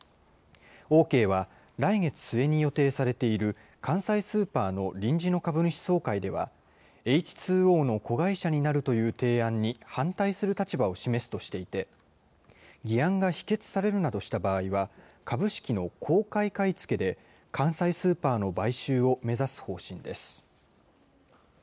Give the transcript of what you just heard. オーケーは、来月末に予定されている関西スーパーの臨時の株主総会では、エイチ・ツー・オーの子会社になるという提案に反対する立場を示すとしていて、議案が否決されるなどした場合は、株式の公開買い付けで、関西スーパーの買収を目指す方針です。